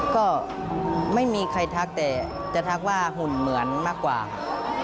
ก็ไม่มีใครทักแต่จะทักว่าหุ่นเหมือนมากกว่าค่ะ